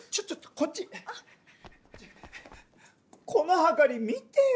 このはかり見てよ！